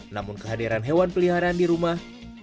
namun kehadiran hewan peliharaan di rumah